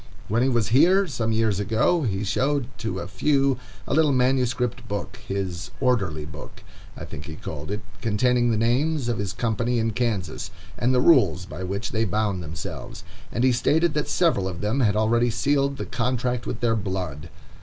When he was here, some years ago, he showed to a few a little manuscript book,—his "orderly book" I think he called it,—containing the names of his company in Kansas, and the rules by which they bound themselves; and he stated that several of them had already sealed the contract with their blood.